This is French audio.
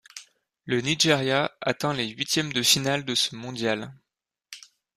Le Nigeria atteint les huitièmes de finale de ce mondial.